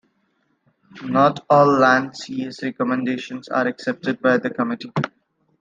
Not all Landsea's recommendations are accepted by the Committee.